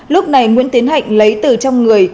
lúc này nguyễn tiến hạnh lấy từ trong người